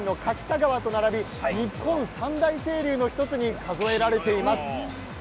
静岡県の柿田川と並び日本三大清流の１つに数えられています。